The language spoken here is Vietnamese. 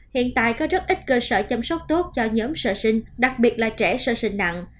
hiện tại có rất ít cơ sở chăm sóc tốt cho nhóm sơ sinh đặc biệt là trẻ sơ sinh nặng